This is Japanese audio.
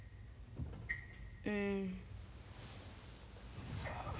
うん。